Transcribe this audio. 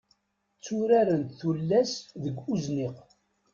Tturarent tullas deg uzniq.